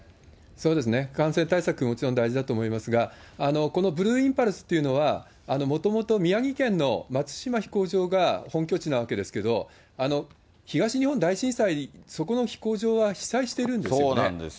そうですね、感染対策、もちろん大事だと思いますが、このブルーインパルスというのは、もともと宮城県の松島飛行場が本拠地なわけですけれども、東日本大震災、そこの飛行場は被災しているんですよね。